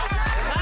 何？